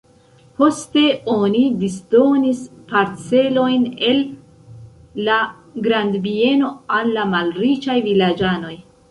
Poste oni disdonis parcelojn el la grandbieno al la malriĉaj vilaĝanoj.